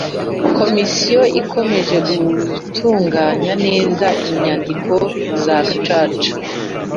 Komisiyo ikomeje gutunganya neza inyandiko za Gacaca